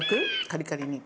カリカリに。